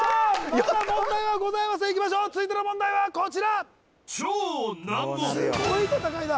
まだ問題はございますいきましょう続いての問題はこちらすごい戦いだ